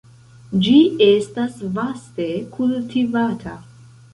Ĝi estas vaste kultivata.